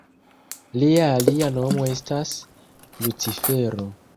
Lia alia nomo estas Lucifero.